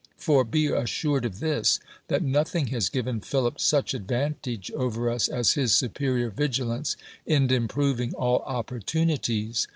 For, be assured of this, that nothing has given Philip such advantage over us as his superior vigilance in improving all opportuni ties.